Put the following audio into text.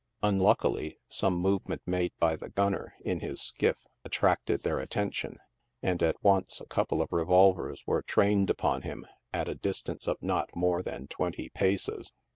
Unluckily, some movement made by the gunner, in his skiff, attracted their attention, and at once a couple of revolvers were " trained" upon him, at a distance of not more than twenty paces.